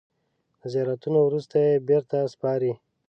د زیارتونو وروسته یې بېرته سپاري.